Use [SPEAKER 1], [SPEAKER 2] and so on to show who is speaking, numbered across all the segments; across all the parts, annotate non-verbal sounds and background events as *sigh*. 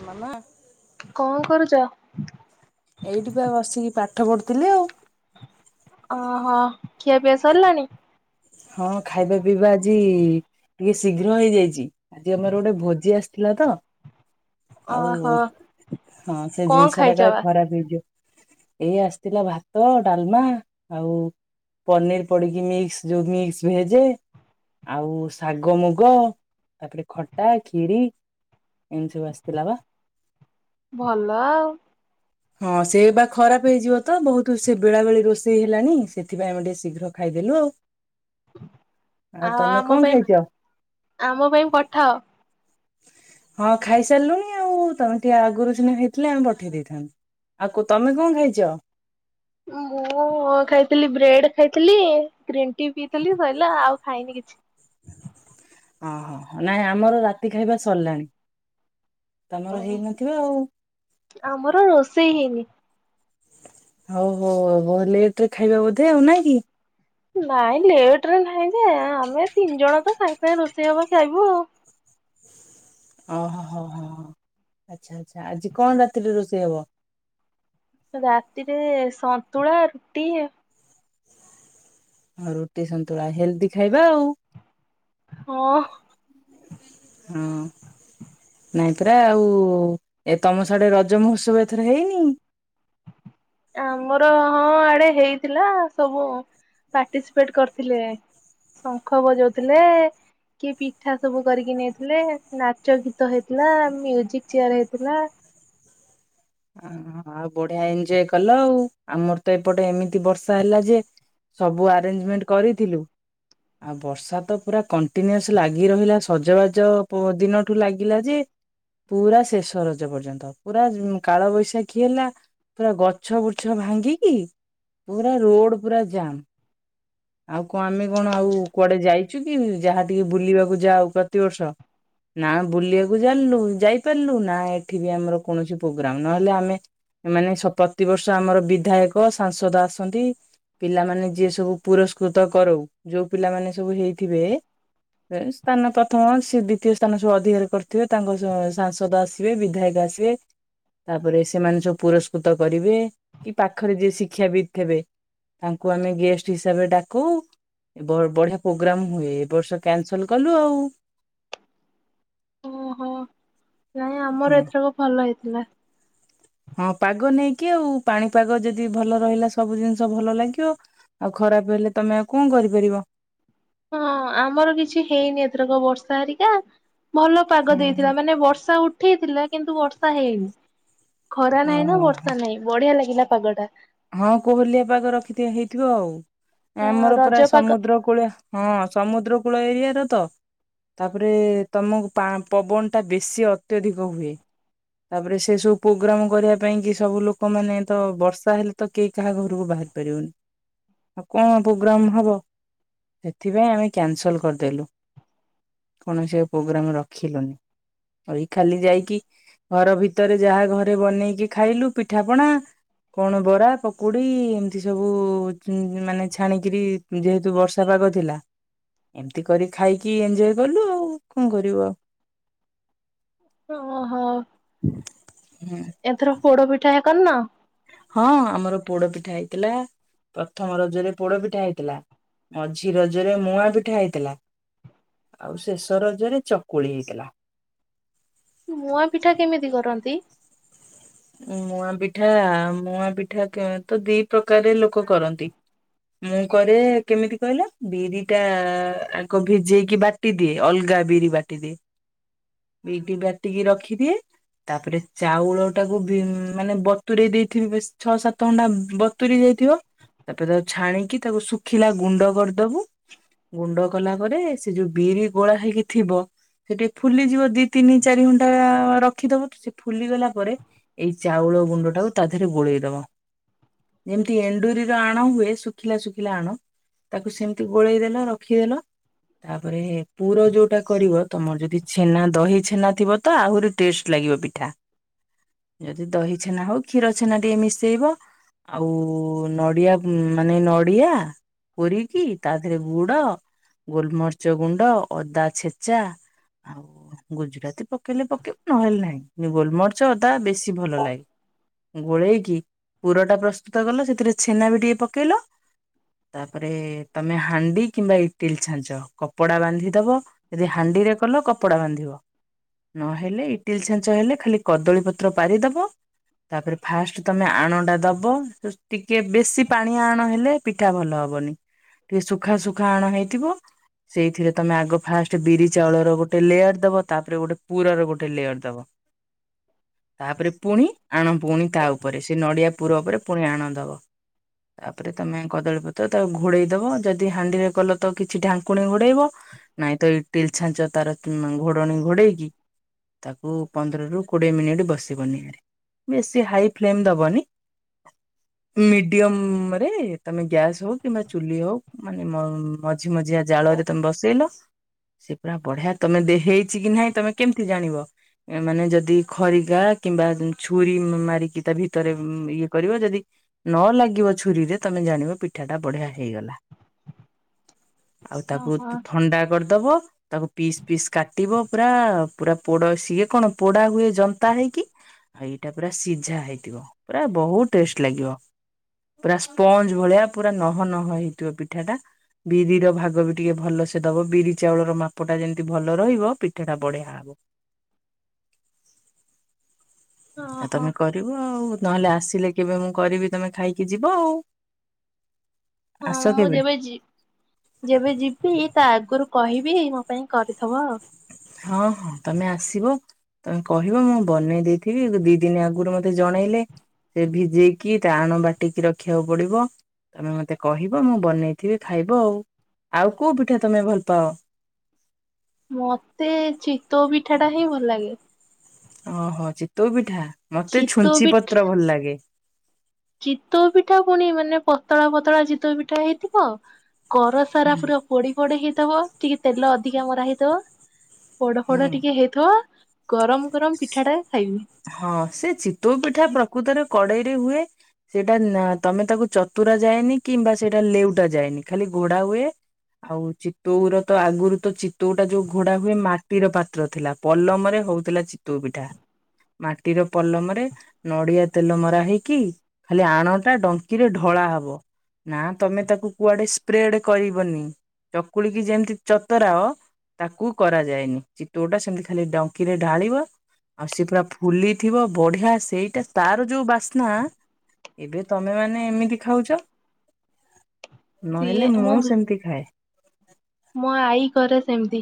[SPEAKER 1] ଆ ମାମା।
[SPEAKER 2] କଣ କରୁଛ?
[SPEAKER 1] ଏଇଠି ବା ବସିକି ପାଠ ପଢୁଥିଲି ଆଉ।
[SPEAKER 2] ଓହୋ ଖିଆ ପିଆ ସରିଲାଣି।
[SPEAKER 1] ହଁ ଖାଇବା ପିଇବା ଆଜି ଟିକେ ଶୀଘ୍ର ହେଇଯାଇଛି ଆଜି ଆମର ଗୋଟେ ଭୋଜି ଆସିଥିଲା। ତ ଆଉ
[SPEAKER 2] ଓହୋ
[SPEAKER 1] ହଁ ସେ
[SPEAKER 2] କଣ
[SPEAKER 1] ଜିନିଷ ଟା
[SPEAKER 2] ଖାଇଛ
[SPEAKER 1] କାଳେ
[SPEAKER 2] ବା?
[SPEAKER 1] ଖରାପ ହେଇଯିବ। ଏଇ ଆସିଥିଲା ଭାତ ଡାଲମା ଆଉ ପନିର ପଡିକି ମିକ୍ସ ଯୋଉ ମିକ୍ସ ଭେଜେ ଆଉ ଶାଗ ମୁଗ ତାପରେ ଖଟା ଖିରି ଏମିତି ସବୁ ଆସ କି ଲାଭ।
[SPEAKER 2] ଭଲ ଆଉ।
[SPEAKER 1] ହଁ ସେ ବା ଖରାପ ହେଇଯିବ ତ ବହୁତ ସେ ବେଳେ ବବେଳେ ରୋଷେଇ ହେଲାଣିି ସେଥିପାଇଁ ଆମେ ଟିକେ ଶୀଘ୍ର ଖାଇ ଦେଲୁ ଆଉ।
[SPEAKER 2] *inaudible* ଆଉ
[SPEAKER 1] ତମେ
[SPEAKER 2] ଆମ
[SPEAKER 1] କଣ
[SPEAKER 2] ପାଇଁ
[SPEAKER 1] ଖାଇଛ
[SPEAKER 2] *inaudible* ଆମ ପାଇଁ ପଠାଅ।
[SPEAKER 1] ହଁ ଖାଇ ସାରିଲୁଣି ଆଉ ତମେ ଟିକେ ଆଗରୁ ସିନା ହେଇଥିଲେ ଆମେ ପଠେଇ ଦେଇଥାନ୍ତୁ। ଆକୁ ତମେ କଣ ଖାଇଛ?
[SPEAKER 2] ମୁଁ ଖାଇଥିଲି ବ୍ରେଡ ଖାଇଥିଲି ଗ୍ରୀନ୍ ଟି ପିଇଥିଲି ସର ଆଉ ଖାଇନି କିଛି।
[SPEAKER 1] ଓହୋ ନାଇଁ ଆମର ରାତି ଖାଇବା ସରିଲାଣି। *inaudible* ତମର ହେଇନଥିବ ଆଉ *inaudible*
[SPEAKER 2] ଆମର ରୋଷେଇ ହେଇନି।
[SPEAKER 1] ହଉ ହଉ ବୋଉ ଲେଇଥିବ ଖାଇବା ବୋଧେ ଆଉ ନା କି?
[SPEAKER 2] ନାଇଁ ଲେଟ ରେ ନାହିଁ ଯେ ଆମେ ତିନି ଜଣ ତ ସାଙ୍ଗେ ସାଙ୍ଗେ ରୋଷେଇ ହବ ଖାଇବୁ ଆଉ।
[SPEAKER 1] ଓହୋ ହୋ ହଁ ହ ଆଚ୍ଛା ଆଚ୍ଛା ଆଜି କଣ ରାତିରେ ରୋଷେଇ ହବ?
[SPEAKER 2] ରାତିରେ ସନ୍ତୁଳା ରୁଟି
[SPEAKER 1] ଆଉ ରୁଟି ସନ୍ତୁଳା ହେଲ୍ଦି ଖାଇବା ଆଉ
[SPEAKER 2] ହଁ।
[SPEAKER 1] *inaudible* ହୁଁ। ନାଇଁ ପରା ଆଉ ଏ ତମ ସଡେ ରଜ ମହୋତ୍ସବ ଏଥର ହେଇନି।
[SPEAKER 2] *inaudible* ଆମର ହଁ ଆଡେ ହେଇଥିଲା ସବୁ ପାର୍ଟିସିପେଟ କରିଥିଲେ ଶଙ୍ଖ ବଜାଉଥିଲେ କିଏ ପିଠା ସବୁ କରିକି ନେଇଥିଲେ ନାଚ ଗୀତ ହେଇଥିଲା ମଜିକ ଚେୟାର ହେଇଥିଲା।
[SPEAKER 1] ଆଁ ଆଉ ବଢିଆ ଏଞଜୟ କଲ ଆଉ ଆମର ତ ଏପଟେ ଏମିତି ବର୍ଷା ହେଲା ଯେ ସବୁ ଆରେଞ୍ଜମେଣ୍ଟ କରିଥିଲୁ। ଆଉ ବର୍ଷା ତ ପୁରା କଣ୍ଟିନ୍ୟୁଅସ ଲାଗି ରହିଲା ସଜବାଜ ଦିନଠୁ ଲାଗିଲା ଯେ ପୁରା ଶେଷ ରଜ ପର୍ଯ୍ୟନ୍ତ ପୁରା କାଳ ବୈଶାଖୀ ହେଲା ପୁରା ଗଛ ବୁର୍ଚ୍ଛ ଭାଙ୍ଗିକି ପୁରା ରୋଡ ପୁରା ଜାମ୍ ଆଉ କଣ ଆମେ କଣ ଆଉ କୁଆଡେ ଯାଇଛୁ କି ଯାହା ଟିକେ ବୁଲିବାକୁ ଯାଉ ପ୍ରତିବର୍ଷ। ନା ବୁଲିବାକୁ ଜାଲୁ ଯାଇପାରିଲୁ ନା ଏଠି ବି ଆମର କୌଣସି ପ୍ରୋଗ୍ରାମ ନହେଲେ ଆମେ ଏମାନେ ପ୍ରତିବର୍ଷ ଆମର ବିଧାୟକ ସାଂସଦ ଆସନ୍ତି ପିଲାମାନେ ଯିଏ ସବୁ ପୁରସ୍କୃତ କରାଉ ଯୋଉ ପିଲାମାନେ ସବୁ ହେଇଥିବେ ସ୍ଥାନ ପ୍ରଥମ ସେ ଦ୍ୱିତୀୟ ସ୍ଥାନ ସବୁ ଅଧିକାର କରିଥିବେ ତାଙ୍କ ସାଂସଦ ଆସିବେ ବିଧାୟକ ଆସିବେ। ତାପରେ ସେମାନେ ସବୁ ପୁରସ୍କୃତ କରିବେ କି ପାଖରେ ଯିଏ ଶିକ୍ଷାବିତ୍ ଥିବେ। ତାଙ୍କୁ ଆମେ ଗେଷ୍ଟ ହିସାବରେ ଡାକୁ ବଢିଆ ପ୍ରୋଗ୍ରାମ ହୁଏ। ଏ ବର୍ଷ କ୍ୟାନ୍‌ସଲ କଲୁ ଆଉ।
[SPEAKER 2] ଓହୋ। ନାଇଁ ଆମର
[SPEAKER 1] ହଁ
[SPEAKER 2] ଏଥରକ ଭଲ ହେଇଥିଲା।
[SPEAKER 1] ହଁ ପାଗ ନେଇକି ଆଉ। ପାଣିପାଗ ଯଦି ଭଲ ରହିଲା ସବୁ ଜିନିଷ ଭଲ ଲାଗିବ ଆଉ ଖ ଖରାପ ହେଲେ ତମେ ଆଉ କଣ କରିପାରିବ?
[SPEAKER 2] ହଁ ଆମର କିଛି ହେଇନି ଏଥରକ ବର୍ଷା ହେରିକା ଭଲ ପାଗ
[SPEAKER 1] ହୁଁ
[SPEAKER 2] ଦେଇଥିଲା ମାନେ ବର୍ଷା ଉଠେଇଥିଲା କିନ୍ତୁ ବର୍ଷା ହେଇନି। ଖରା ନାହିଁ ନା
[SPEAKER 1] ଓହୋ
[SPEAKER 2] ବର୍ଷା ନାହିଁ ବଢିଆ ଲାଗିଲା ପାଗଟା।
[SPEAKER 1] ହଁ କୋହଲିଆ ପାଗ ରଖି ଥି ହେଇଥିବ ଆଉ। ଆମର ପୁରା
[SPEAKER 2] ରଜ ପାଗ
[SPEAKER 1] ସମୁଦ୍ର କୂଳିଆ, ହଁ ସମୁଦ୍ର କୂଳ ଏରିଆର ତ ତାପରେ ତମକୁ ପା ପବନ ଟା ବେଶୀ ଅତ୍ୟଧିକ ହୁଏ। ତାପରେ ସେ ସବୁ ପ୍ରୋଗ୍ରାମ କରିବା ପାଇଁ କି ସବୁ ଲୋକ ମାନେ ତ ବର୍ଷା ହେଲେ ତ କେହି କାହା ଘରକୁ ବାହାର ପାରିବନି। ଆଉ କଣ ପ୍ରୋଗ୍ରାମ ହବ? ସେଥିପାଇଁ ଆମେ କ୍ୟାନସଲ କରିଦେଲୁ। କୌଣସି ଆଉ ପ୍ରୋଗ୍ରାମ ରଖିଲୁନି। ଏଇ ଖାଲି ଯାଇକି ଘର ଭିତରେ ଯାହା ଘରେ ବନେଇକି ଖାଇଲୁ ପିଠାପଣା କଣ ବରା, ପକୁଡ଼ି ଏମତି ସବୁ ମାନେ ଛାଣିକିରି ଯେହେତୁ ବର୍ଷା ପାଗ ଥିଲା। ଏମତି କରି ଖାଇକି ଏଞ୍ଜୟ କଲୁ ଆଉ, କଣ କରିବୁ ଆଉ।
[SPEAKER 2] ଓହୋ।
[SPEAKER 1] ହୁଁ
[SPEAKER 2] ଏଥର ପୋଡ ପିଠା ହେକା କରିନ?
[SPEAKER 1] ହଁ ଆମର ପୋଡ ପିଠା ହେଇଥିଲା। ପ୍ରଥମ ରଜରେ ପୋଡ ପିଠା ହେଇଥିଲା ମଝି ରଜରେ ମୁଆଁ ପିଠା ହେଇଥିଲା ଆଉ ଶେଷ ରଜରେ ଚକୁଳି ହେଇଥିଲା।
[SPEAKER 2] ମୁଆଁ ପିଠା କେମିତି କରନ୍ତି?
[SPEAKER 1] ମୁଆଁ ପିଠା ମୁଆଁ ପିଠା କ ତ ଦି ପ୍ରକାରରେ ଲୋକ କରନ୍ତି। ମୁଁ କରେ କେମିତି କହିଲ? ବିରି ଟା ଆଗ ଭିଜେଇକି ବାଟି ଦିଏ। ଅଲଗା ଗା ବିରି ବାଟିଦିଏ। ବିରି ବାଟିକି ରଖିଦିଏ, ତାପରେ ଚାଉଳ ଟାକୁ ବିମ୍ ମାନେ ବତୁରେଇ ଦେଇଥିବି, ବେଶ୍ ଛଅ ସାତ ଘଣ୍ଟା ବତୁୁରି ଯାଇଥିବ ତାପରେ ତାକୁ ଛାଣିକି ତାକୁ ଶୁଖିଲା ଗୁଣ୍ଡ କରଦବୁ। ଗୁଣ୍ଡ କଲା ପରେ ସେ ଯୋଉ ବିରି ଗୋଳା ହେଇକି ଥିବ ସେ ଟିକେ ଫୁଲିଯିବ, ଦି ତିନି ଚାରି ଘଣ୍ଟା ରଖିଦବ ସେ ଫୁଲିଗଲା ପରେ ଏଇ ଚାଉଳ ଗୁଣ୍ଡଟାକୁ ତା ଦେହରେ ଗୋଳେଇଦବ। ଯେମିତି ଏଣ୍ଡୁରିର ଆଣ ହୁଏ, ଶୁଖିଲା ଶୁଖିଲା ଆଣ ତାକୁ ସେମିତି ଗୋଳେଇଦେଲ ରଖିଦେଲ ତାପରେ ପୁର ଯୋଉଟା କରିବ, ତମର ଯଦି ଛେନା ଦହି ଛେନା ଥିବ ତ ଆହୁରି ଟେଷ୍ଟ ଲା ଲାଗିବ ପିଠା। ଯଦି ଦହି ଛେନା ହଉ କ୍ଷୀର ଛେନା ଟିକେ ମିଶେଇବ ଆଉ ନଡିଆ ମାନେ ନଡିଆ କୋରିକି, ତା ଦେହରେ ଗୁଡ, ଗୋଲମରିଚ ଗୁଣ୍ଡ, ଅଦା ଛେଚା ଆଉ ଗୁଜୁରାତି ପକେଇଲେ ପକେଇବ ନହେଲେ ନାହିଁ, କିନ୍ତୁ ଗୋଲମର ରିଚ, ଅଦା ବେଶୀ ଭଲ ଲାଗେ। ଗୋଳେଇକି ପୁରଟା ପ୍ରସ୍ତୁତ କଲ, ସେଥିରେ ଛେନା ବି ଟିକେ ପକେଇଲ ତାପରେ ତମେ ହାଣ୍ଡି କିମ୍ବା ଇଟିଲ ଛାଞ୍ଚ, କପଡା ବାନ୍ଧିଦବ ଯଦି ହାଣ୍ଡି ଣ୍ଡିରେ କଲ କପଡା ବାନ୍ଧିବ, ନ ହେଲେ ଇଟିଲି ଛାଞ୍ଚ ହେଲେ ଖାଲି କଦଳୀ ପତ୍ର ପାରିଦବ ତାପରେ ଫାଷ୍ଟ ତମେ ଆଣ ଟା ଦବ, ଟିକେ ବେଶୀ ପାଣିଆ ଆଣ ହେଲେ ପିଠା ଭଲ ହବ ହବନି। ଟିକେ ଶୁଖା ଶୁଖା ଆଣ ହେଇଥିବ ସେଇଥିରେ ତମେ ଆଗ ଫାଷ୍ଟ ବିରି ଚାଉଳର ଗୋଟେ ଲେୟର ଦବ, ତାପରେ ଗୋଟେ ପୁର ର ଗୋଟେ ଲେୟର ଦବ। ତାପରେ ପୁଣି ଆଣ ପୁଣି ତା ଉପରେ, ସେ ନଡ଼ିଆ ପୁର ଉପରେ ପୁଣି ଆଣ ଦବ। ତାପରେ ତମେ କଦଳୀପତ୍ର ତାକୁ ଘୋଡ଼େଇଦବ, ଯଦି ହାଣ୍ଡିରେ କଲ ତ କିଛି ଢାଙ୍କୁଣି ଘୋଡ଼େଇବ ନାଇଁ ତ, ଇଟିଲ ଛାଞ୍ଚ ତାର ଘୋଡଣୀ ଘୋଡେଇକି, ତାକୁ ପନ୍ଦରରୁ କୋଡ଼ିଏ ମିନିଟ୍ ବସିବନି। ବେଶୀ ହାଇ ଫ୍ଲେମ୍ ଦବନି। ମିଡିୟମ ରେ ତମେ ଗ୍ୟାସ୍ ହଉ କିମ୍ବା ଚୁଲି ହଉ ମାନେ ମଝି ମଝିଆ ଜାଳ ରେ ତମେ ବସେଇଲ। ସେ ପୁରା ବଢିଆ ତମେ ଦେ ହେଇଛି କି ନାହିଁ ତମେ କେମିତି ଜାଣିବ। ମାନେ ଯଦି ଖରିଗା କିମ୍ବା ଛୁରୀ ମାରିକି ତା ଭିତରେ ଇଏ କରିବ ଯଦି ନ ଲାଗିବ ଛୁରୀରେ ତମେ ଜାଣିବ ପିଠାଟା ବଢ଼ିଆ ହେଇଗଲା।
[SPEAKER 2] *inaudible*
[SPEAKER 1] ଆଉ ତାକୁ
[SPEAKER 2] ଓହୋ
[SPEAKER 1] ଥଣ୍ଡା କରିଦବ। ତାକୁ ପିସ୍ ପିସ୍ କାଟିବ ପୁରା, ପୁରା ପୋଡ ସିଏ କଣ ପୋଡା ହୁଏ ଜନ୍ତା ହେଇକି ଆ ଏଇଟା ପୁରା ସିଝା ହେଇଥିବ। ପୁରା ବହୁ ଟେଷ୍ଟ ଲାଗିବ। ପୁରା ସ୍ପଞ୍ଜ ଭଳିଆ ପୁରା ନହ ନହ ହେଇଥିବ ପିଠା ଟା। ବିରିର ଭାଗ ବି ଟିକେ ଭଲସେ ଦବ, ବିରି ଚାଉଳର ମାପ ଟା ଯେମିତି ଭଲ ରହିବ, ପିଠା ଟା ବଢିଆ ହବ। *inaudible*
[SPEAKER 2] *inaudible*
[SPEAKER 1] ଆ
[SPEAKER 2] ଓହୋ
[SPEAKER 1] ତମେ କରିବ, ଆଉ ନହେଲେ ଆସିଲେ କେବେ ମୁଁ କରିବି ତମେ ଖାଇକି ଯିବ ଆଉ।
[SPEAKER 2] ହଁ,
[SPEAKER 1] ଆସ
[SPEAKER 2] ମୁଁ
[SPEAKER 1] କେବେ।
[SPEAKER 2] ଯେବେ ଯି ଯେବେ ଯିବି ତା ଆଗରୁ କହିବି। ପାଇଁ କରିଥବ ଆଉ
[SPEAKER 1] ହଁ, ହଁ ତମେ ଆସିବ ତମେ କହିବ ମୁଁ, ବନେଇ ଦେଇଥିବି ଦି ଦିନି ଆଗରୁ ମତେ ଜଣେଇଲେ ସେ ଭିଜେଇକି, ତା ଆଣ ବାଟିକି ରଖିବାକୁ ପଡିବ। ତମେ ମତେ କହିବ ମୁଁ ବନେଇଥିବି, ଖାଇବ ଆଉ ଆଉ କୋଉ ପିଠା ତମେ ଭଲ ପାଅ?
[SPEAKER 2] ମତେ ଚିତୋଉ ପିଠା ଟା ହିଁ ଭଲ ଲାଗେ।
[SPEAKER 1] ଅହ! ଚିତୋଉ ପିଠା ମତେ ଛୁଞ୍ଚି ପତ୍ର ଭଲ ଲାଗେ।
[SPEAKER 2] ଚିତୋଉ ପିଠା ପୁଣି ମାନେ ପତଳା ପତଳା ଚିତୋଉ ପିଠା ହେଇଥିବ। କର ସାରା ପୁରା ପୋଡି ପୋଡି ହେଇଥବ, ଟିକେ ତେଲ ଅଧିକା ମରା ହେଇଥବ। ପୋଡ ଫୋଡ
[SPEAKER 1] ହୁଁ
[SPEAKER 2] ଟିକେ ହେଇଥବ, ଗରମ ଗରମ ପିଠା ଟା ଖାଇବି
[SPEAKER 1] ହଁ, ସେ ଚିତୋଉ ପିଠା ପ୍ରକୃତରେ କଡେଇ ହୁଏ, ସେଇଟା ତମେ ତାକୁ ଚତୁରା ଯାଏନି କିମ୍ବା ସେଇଟା ଲେଉଟା ଯାଏନି ଖାଲି ଗୋଡା ହୁଏ ଆଉ ଚିତୋଉ ର ତ ଆଗରୁ ତ ଚିତୋଉ ଟା ଯୋଉ ଘୋଡା ହୁଏ, ମାଟିର ପାତ୍ର ଥିଲା। ପଲମରେ ହୋଉଥିଲା ଚିତଉ ପିଠା। ମାଟିର ପଲମରେ ନଡିଆ ତେଲ ମରା ହେଇକି, ଖାଲି ଆଣଟା ଡଙ୍କିରେ ଢ କଳା ହବ। ନା, ତମେ ତାକୁ କୁଆଡେ ସ୍ପ୍ରେଡ କରିବନି, ଚକୁଳିକି ଯେମିତି ଚତରାଅ ତାକୁ କରାଯାଏନି, ଚିତୋଉଟା ସେମିତି ଖାଲି ଡଙ୍କିରେ ଢାଳିବ ଆଉ ସେ ପୁରା ଫୁଲିଥିବ, ବଢିଆ ସେଇଟା ତାର ଯୋଉ ବାସ୍ନା ଏବେ ତମେ ମାନେ ଏମିତି ଖାଉଚ।
[SPEAKER 2] *inaudible* ସିଏ
[SPEAKER 1] ନହେଲେ,
[SPEAKER 2] ମୋ
[SPEAKER 1] ମୁଁ ସେମତି ଖାଏ।
[SPEAKER 2] ମୋ ଆଈ କରେ ସେମିତି।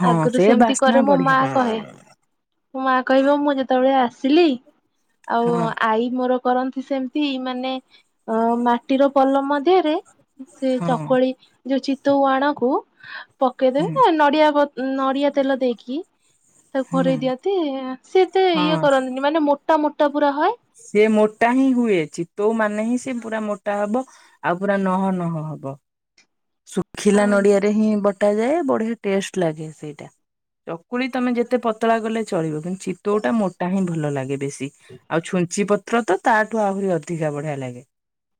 [SPEAKER 1] ହଁ
[SPEAKER 2] ଆଗରୁ
[SPEAKER 1] ସେ
[SPEAKER 2] ସେମିତି
[SPEAKER 1] ବାସ୍ନା
[SPEAKER 2] କରେ ମୋ ମା
[SPEAKER 1] ବଢିଆ
[SPEAKER 2] କହେ, ମୋ ମା କହିବ ମୁଁ, ଯେତେବେଳେ ଆସ ଥିଲି ଆଉ
[SPEAKER 1] ହଁ।
[SPEAKER 2] ଆଈ ମୋର କରନ୍ତି ସେମିତି ମାନେ, ଅଂ ମାଟିର ପଲମ ଦିହରେ ସେ
[SPEAKER 1] ହଁ
[SPEAKER 2] ଚକୁଳି ଯୋଉ ଚିତଉ ଆଣକୁ
[SPEAKER 1] ହୁଁ
[SPEAKER 2] ପକେଇଦେବେ ନଡିଆ ବ ନଡିଆ ତେଲ ଦେଇକି ତାକୁ
[SPEAKER 1] ହୁଁ
[SPEAKER 2] ଘୋରେଇ ଦିଅନ୍ତି। ସେ ଏତେ ଇଏ
[SPEAKER 1] ହଁ
[SPEAKER 2] କରନ୍ତିନି, ମାନେ ମୋ ମୋଟା ମୋଟା ପୁରା ହଏ।
[SPEAKER 1] ସିଏ ମୋଟା ହିଁ ଟା ହବ, ଆଉ ପୁରା ନହ ନହ ହବ, ଶୁଖିଲା
[SPEAKER 2] ଆଉ
[SPEAKER 1] ନଡିଆରେ ହିଁ ବ ବଟା ଯାଏ ବଢିଆ ଟେଷ୍ଟ ଲାଗେ ସେଇଟା। ଚକୁଳି ତମେ ଯେତେ ପତଳା କଲେ ଚଳିବ, କିନ୍ତୁ ଚିତୋଉଟା ମୋଟା ହିଁ ଭଲ ଲାଗେ ବେଶୀ। ଆଉ, ଛୁଞ୍ଚି ପତ୍ର ତ ତାଠୁ ଆହୁରି ଅଧିକା ବଢିଆ ଲାଗେ।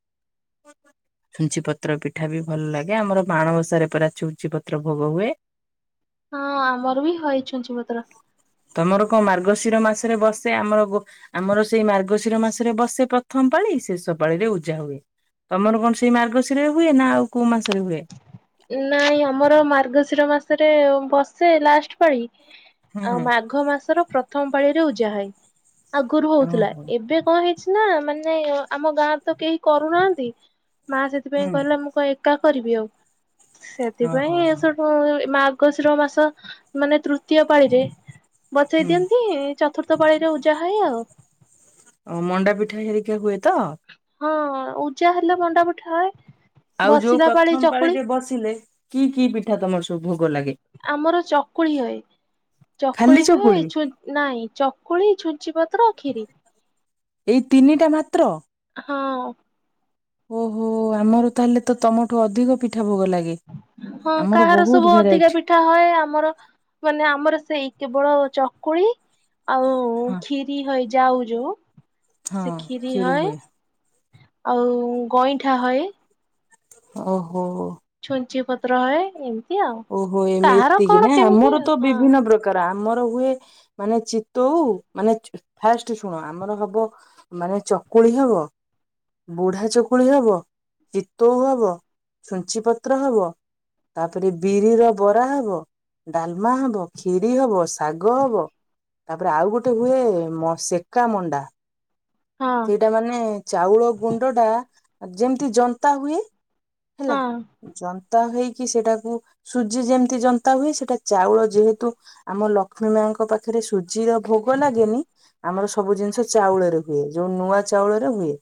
[SPEAKER 2] *inaudible*
[SPEAKER 1] ଛୁଞ୍ଚି ପତ୍ର ପିଠା ବି ଭଲ ଲାଗେ। ଆମର ମାଣବସାରେ ପରା ଛୁଞ୍ଚି ପତ୍ର ଭୋଗ ହୁଏ।
[SPEAKER 2] ହଁ ଆମର ବି ହଏ ଛୁଞ୍ଚି ପତ୍ର
[SPEAKER 1] ତମର ‌କଁ ମାର୍ଗଶିର ମାସେରେ ବସେ ଆମର ଗ ଆମର ସେଇ ମାର୍ଗଶିର ମାସେରେ ବସେ ପ୍ରଥମ ପାଳି, ଶେଷ ପାଳିରେ ଉଜା ହୁଏ। ତମର କଣ ସେଇ ମାର୍ଗଶିରରେ ହୁଏ, ନା ଆଉ କୋଉ ମାସ?
[SPEAKER 2] ନାଇଁ ଆମର ମାର୍ଗଶିର ମାସେରେ ବସେ ଲାଷ୍ଟ ପାଳି ଆଉ
[SPEAKER 1] ହୁଁ
[SPEAKER 2] ମାଘ ମାସର ପ୍ରଥମ ପାଳିରେ ଉଜା ହଇ। ଆଗୁରୁ ହଉଥିଲା
[SPEAKER 1] ଓହୋ
[SPEAKER 2] ଏବେ କଁ ହେଇଛି ନା ମାନେ ଆମ ଗାଁରେ ତ କେହି କରୁନାହାନ୍ତି ମା ସେଥିପାଇଁ
[SPEAKER 1] ହୁଁ
[SPEAKER 2] କହିଲା ମୁଁ କଁ ଏକା କରିବି ଆଉ
[SPEAKER 1] ଓହୋ
[SPEAKER 2] ସେଥିପାଇଁ
[SPEAKER 1] ହୋ
[SPEAKER 2] ସୋଉଠୁ ମାର୍ଗଶିର ମାସ ମାନେ ତୃତୀୟ ପାଳିରେ ବଚେଇ
[SPEAKER 1] ହୁଁ
[SPEAKER 2] ଦିଅନ୍ତି ଚତୁର୍ଥ ର୍ଥ ପାଳିରେ ଉଜା ହଏ ଆଉ।
[SPEAKER 1] ଓ ମଣ୍ଡା ପିଠା ହେରିକା ହୁଏ ତ?
[SPEAKER 2] ହଁ ଉଜା ହେଲେ ମଣ୍ଡାପଠା ହଏ।
[SPEAKER 1] ଆଉ ଯୋଉ
[SPEAKER 2] ବସିଲା ପାଳି
[SPEAKER 1] ପ୍ରଥମ
[SPEAKER 2] ଚକୁଳି
[SPEAKER 1] ପାଳିରେ ବସିଲେ କି କି ପିଠା ତମର ସ
[SPEAKER 2] ଆମର ଚକୁଳି ହଏ। ଚକୁଳି ହଏ ଛୁ ନାଇଁ ଚକୁଳି ଛୁଞ୍ଚି ପତ୍ର ଖିରୀ।
[SPEAKER 1] ଏଇ ତିନିଟା ମାତ୍ର?
[SPEAKER 2] ହଁ।
[SPEAKER 1] ଓହୋ ଆମର ତାହେଲେ ତ ତମଠୁ ଅଧିକ ପିଠା। ଏ।
[SPEAKER 2] ହଁ କାହାର ସବୁ ଅଧିକା ପିଠା ହଏ ଆମର ମାନେ ଆମର ସେଇ କେବଳ ଚକୁଳି ଆଉ
[SPEAKER 1] ହଁ
[SPEAKER 2] ଖିରି ହଏ ଯାଉ ଯୋଉ
[SPEAKER 1] ହଁ
[SPEAKER 2] ସେ ଖିରୀ
[SPEAKER 1] ଖିରି
[SPEAKER 2] ହଏ,
[SPEAKER 1] ହୁଏ
[SPEAKER 2] ଆଉ ଗଇଁଠା ହଏ।
[SPEAKER 1] ଓହୋ।
[SPEAKER 2] ଛୁଞ୍ଚି ପତ୍ର ହଏ ଏମ
[SPEAKER 1] ଓହୋ ଏମିତି ହି ନା ଆମର ତ
[SPEAKER 2] ଆଉ
[SPEAKER 1] ବିଭିନ୍ନ ପ୍ରକାର, ଆମର ହୁଏ ମାନେ ଚିତଉ ମାନେ ଚ ଫାର୍ଷ୍ଟ ଶୁଣ ଆମର ହବ ମାନେ ଚକୁ କୁଳି ହବ। ବୁଢା ଚକୁଳି ହବ, ଚିତଉ ହବ, ଛୁଞ୍ଚି ପତ୍ର ହବ ତାପରେ ବିରିର ବରା ହବ, ଡାଲମା ହବ, ଖିରୀ ହବ, ଶାଗ ହବ ତାପରେ ଆଉ ଗୋଟେ ହୁଏ ମ ସେକା ମଣ୍ଡା।
[SPEAKER 2] ହଁ
[SPEAKER 1] ସେଇଟା ମାନେ ଚାଉଳ ଗୁଣ୍ଡଟା ଯେମତି ଯନ୍ତା ହୁଏ ହେଲା
[SPEAKER 2] ହଁ
[SPEAKER 1] ଯ ନ୍ତା ହେଇକି ସେଟାକୁ ସୁଜି ଯେମତି ଯନ୍ତା ହୁଏ ସେଟା ଚାଉଳ ଯେହେତୁ ଆମ ଲକ୍ଷ୍ମୀ ମା ଙ୍କ ପାଖରେ ସୁଜିର ଭୋଗ ଲାଗେନି ଆମର ସବୁ ଜିନିଷ ଚାଉଳରେ ହୁଏ। ଯୋଉ ନୂଆ ଚାଉଳରେ ହୁଏ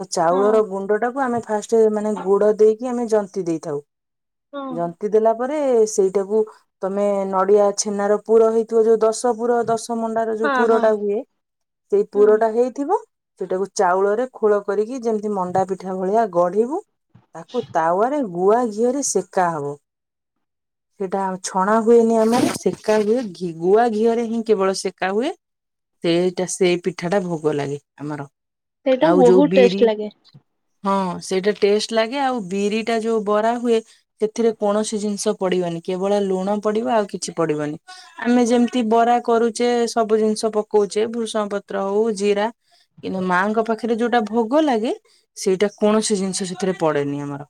[SPEAKER 1] ତ
[SPEAKER 2] ହଁ
[SPEAKER 1] ଚାଉଳର ଗୁଣ୍ଡଟାକୁ ଆମେ ଫାଷ୍ଟ ମାନେ ଗୁଡ ଦେଇକି ଆମେ ଯନ୍ତି ଦେଇଥାଉ
[SPEAKER 2] ହଁ ହଁ
[SPEAKER 1] ଯନ୍ତି ଦେଲା ପରେ ସେଇଟାକୁ ତମେ ନଡିଆ ଛେନାର ପୁର ହେଇଥିବ ଯୋଉ ଦଶ ଦଶପୁର ଦଶ ମଣ୍ଡାର ଯୋଉ
[SPEAKER 2] ହଁ ହଁ
[SPEAKER 1] ପୁରଟା ହୁଏ ସେଇ
[SPEAKER 2] ହଁ
[SPEAKER 1] ପୁରଟା ହେଇଥିବ ସେଇଟାକୁ ଚାଉଳରେ ଖୋଳ କରିକି ଯେମିତି ମଣ୍ଡା ପିଠା ଭଳିଆ ଗଢିବୁ ତାକୁ ତାୱାରେ ଗୁଆ ଘିଅରେ ସେକାହବ।
[SPEAKER 2] *inaudible*
[SPEAKER 1] ସେଇଟା ଆଉ ଛଣା ହୁଏନି ଆମର ସେକା ହୁଏ, ଗୁଆ ଘିଅରେ ହିଁ କେବଳ ସେକା ହୁଏ। ସେଇଟା ସେଇ ପିଠାଟା ଭୋଗ ଲାଗେ ଆମର।
[SPEAKER 2] ସେଇଟା
[SPEAKER 1] ଆଉ ଯୋଉ
[SPEAKER 2] ବହୁତ
[SPEAKER 1] ବିରି।
[SPEAKER 2] ଟେଷ୍ଟ ଲାଗେ
[SPEAKER 1] ହଁ ସେଇଟା ଟେଷ୍ଟ ଲାଗେ ଆଉ ବିରିଟା ଯୋଉ ବରା ହୁଏ, ସେଥିରେ କୌଣସି ଜିନଷ ପଡିବନି। କେବଳ ଲୁଣ ପଡିବ ଆଉ କିଛି ପଡିବନି ଆମେ ଯେମତି ବରା କରୁଛେ ସବୁ ଜିନଷ ପକଉ ହଉଛି ଭୃସଙ୍ଗ ପତ୍ର ହଉ ଜିରା କିନ୍ତୁ ମାଙ୍କ ପାଖରେ ଯୋଉଟା ଭୋଗ ଲାଗେ ସେଇଟା କୌଣସି ଜିନିଷ ସେଥିରେ ପଡେନି ଆମର।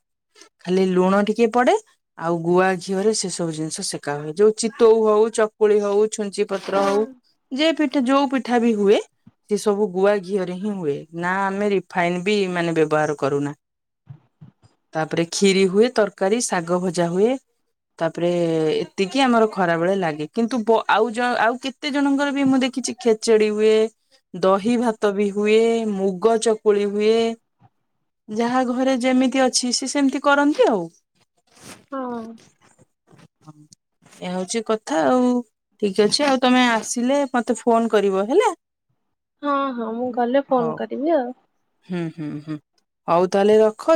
[SPEAKER 1] ଖାଲି ଲୁଣ ଟିକେ ପଡେ ଆଉ ଗୁଆ ଘିଅରେ ସେ ସବୁ ଜିନିଷ ସେକା ହୁଏ, ଯୋଉ ଚିତଉ ହଉ ଚକୁଳି ହଉ ଛୁଞ୍ଚି ପତ୍ର
[SPEAKER 2] ହଁ
[SPEAKER 1] ହଉ ଯ ପିଠା ଯୋଉ ପିଠା ବି ହୁଏ, ସେ ସବୁ ଗୁଆ ଘିଅରେ ହିଁ ହୁଏ, ନା ଆମେ ରିଫାଇନ ବି ମାନେ ବ୍ୟବହାର କରୁନା। ତାପରେ କ୍ଷୀରି ହୁଏ ତରକାରୀ, ଶାଗ ଭଜା ହୁଏ। ତାପରେ ଏତିକି ଆମର ଖରାବେଳେ ଲାଗେ, କିନ୍ତୁ ବ ଆଉ ଆଉ କେତେ ଜଣଙ୍କର ବି ମୁଁ ଦେଖ କିଛି ଖେଚଡି ହୁଏ। ଦହି ଭାତ ବି ହୁଏ, ମୁଗ ଚକୁଳି ହୁଏ। ଯାହା ଘରେ ଯେମିତି ଅଛି ସେ ସେମିତି କରନ୍ତି ଆଉ।
[SPEAKER 2] ହଁ।
[SPEAKER 1] ହଁ। ଏୟ ହଉଛି କଥା ଆଉ, ଠିକ ଅଛି ଆଉ ତମେ ଆସିଲେ ମତେ ଫୋନ କରିବ ହେଲା।
[SPEAKER 2] ହଁ ହଁ ମୁଁ ଗଲେ
[SPEAKER 1] ହଉ
[SPEAKER 2] ଫୋନ କରିବି ଆଉ।
[SPEAKER 1] ହୁଁ ହୁଁ ହୁଁ ଆଉ ତାହେଲେ ରଖ।